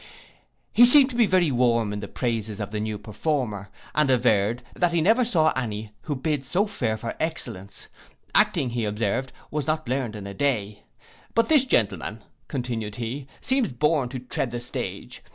He seemed to be very warm in the praises of the new performer, and averred, that he never saw any who bid so fair for excellence. Acting, he observed, was not learned in a day; 'But this gentleman,' continued he, 'seems born to tread the stage.